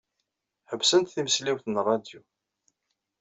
Ḥebsent timesliwt n ṛṛadyu.